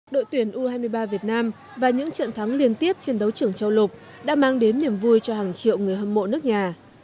đội tuyển u hai mươi ba việt nam và những trận thắng liên tiếp trên đấu trưởng châu lục đã mang đến niềm vui cho hàng triệu người hâm mộ nước nhà